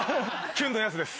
キュンのやすです。